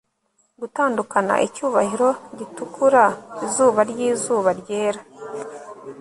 Gutandukana icyubahiro gitukura izuba ryizuba ryera